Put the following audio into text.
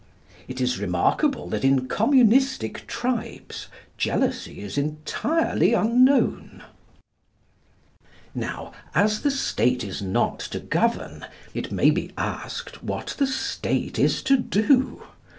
It is remarkable that in communistic tribes jealousy is entirely unknown. Now as the State is not to govern, it may be asked what the State is to do.